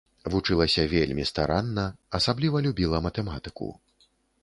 Вучылася вельмі старанна, асабліва любіла матэматыку.